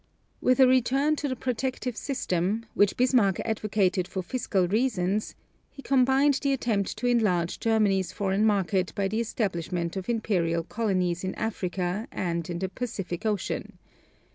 With a return to the protective system, which Bismarck advocated for fiscal reasons, he combined the attempt to enlarge Germany's foreign market by the establishment of imperial colonies in Africa and in the Pacific Ocean.